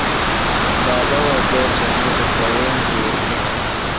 Baaba woodoo soona bika wengeeri lim.